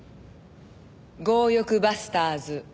強欲バスターズ。